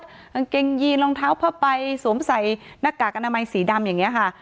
กางเกงยีนรองเท้าผ้าใบสวมใส่หน้ากากอนามัยสีดำอย่างนี้ค่ะ